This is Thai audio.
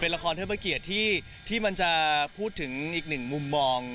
ละครเทิดพระเกียรติที่มันจะพูดถึงอีกหนึ่งมุมมอง